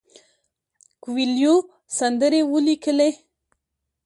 کویلیو سندرې ولیکلې.